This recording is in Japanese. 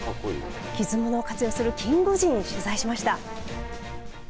きず物を活用するキンゴジン取材しました。